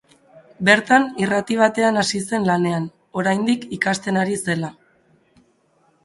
Bertan irrati batean hasi zen lanean, oraindik ikasten ari zela.